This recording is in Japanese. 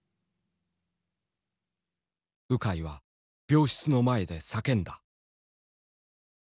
鵜飼は病室の前で叫んだ。